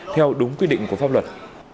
theo đúng quy định của pháp luật